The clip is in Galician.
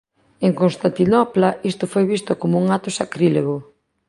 En Constantinopla isto foi visto como un acto sacrílego.